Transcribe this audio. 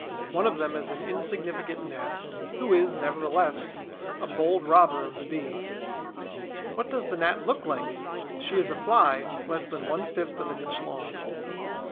One of them is an insignificant Gnat, who is, nevertheless, a bold robber of the Bee. What does the Gnat look like? She is a Fly, less than one fifth of an inch long.